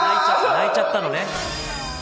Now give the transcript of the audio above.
泣いちゃったのね。